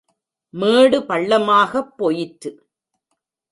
மேடு பள்ளமாகப் போயிற்று.